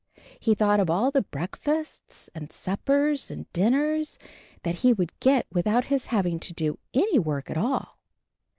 He thought of all the breakfasts and suppers and din ners that he would get without his having to do any work at all.